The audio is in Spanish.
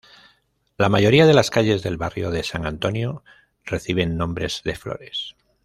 La mayoría de las calles del Barrio de San Antonio reciben nombres de flores.